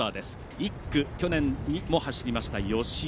１区は、去年も走りました吉居。